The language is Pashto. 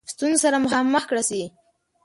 ستونزو سره مخامخ کړه سي.